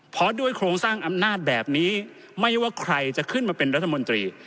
เพราะด้วยโครงสร้างอำนาจแบบนี้ไม่ว่าใครจะขึ้นมาเป็นรัฐมนตรี